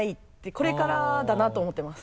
これからだなと思ってます。